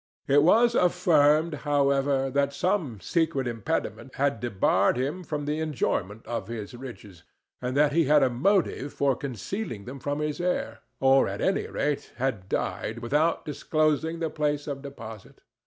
It was affirmed, however, that some secret impediment had debarred him from the enjoyment of his riches, and that he had a motive for concealing them from his heir, or, at any rate, had died without disclosing the place of deposit.